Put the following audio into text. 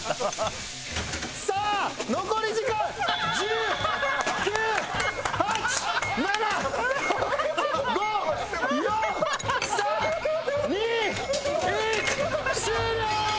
さあ残り時間１０９８７６５４３２１終了！